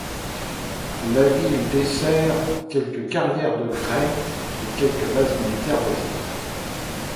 La ville dessert quelques carrières de craie et quelques bases militaires voisines.